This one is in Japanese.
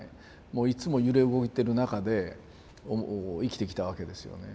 もういつも揺れ動いてる中で生きてきたわけですよね。